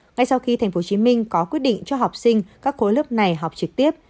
ngay sau khi tp hcm có quyết định cho học sinh các khối lớp này học trực tiếp